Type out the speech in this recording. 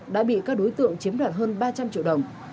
đã bị các đối tượng chiếm đoạt hơn ba trăm linh triệu đồng